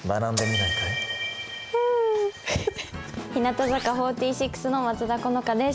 日向坂４６の松田好花です。